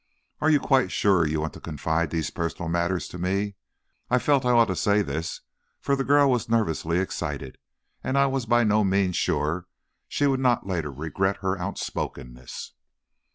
"Are you quite sure you want to confide these personal matters to me?" I felt I ought to say this, for the girl was nervously excited, and I was by no means sure she would not later regret her outspokenness.